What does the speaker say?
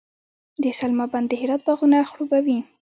د سلما بند د هرات باغونه خړوبوي.